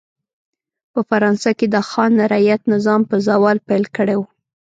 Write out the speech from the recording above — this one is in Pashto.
په فرانسه کې د خان رعیت نظام په زوال پیل کړی و.